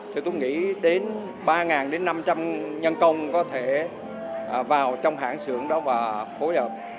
thì tôi nghĩ đến ba năm trăm linh nhân công có thể vào trong hãng xưởng đó và phối hợp